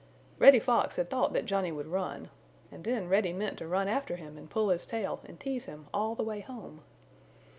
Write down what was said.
Reddy Fox had thought that Johnny would run, and then Reddy meant to run after him and pull his tail and tease him all the way home.